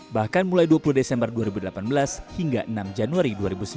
bahkan mulai dua puluh desember dua ribu delapan belas hingga enam januari dua ribu sembilan belas